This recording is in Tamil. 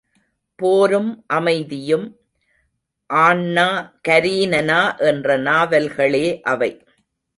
போரும் அமைதியும், ஆன்னா கரீனனா என்ற நாவல்களே அவை.